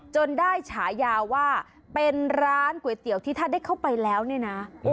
จนได้ฉายาว่าเป็นร้านก๋วยเตี๋ยวที่ถ้าได้เข้าไปแล้วเนี่ยนะ